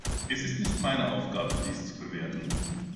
Es ist nicht meine Aufgabe, dies zu bewerten.